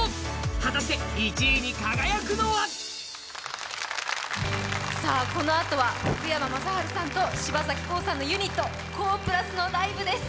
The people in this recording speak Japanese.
果たして１位に輝くのはこのあとは福山雅治さんと柴咲コウさんのユニット、ＫＯＨ＋のライブです。